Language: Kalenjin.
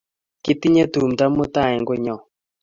Kitinye tumndo mutai eng' konyon